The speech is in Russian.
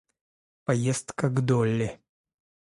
Поездка к Долли.